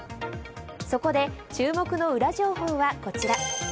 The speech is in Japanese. そこで、注目のウラ情報がこちら。